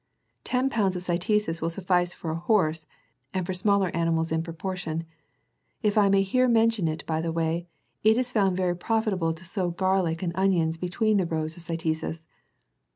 Ten pounds of cytisus will suffice for a horse, and for smaller animals in proportion : if I may here mention it by the way, it is found very profitable to sow garlic and onions between the rows of cytisus.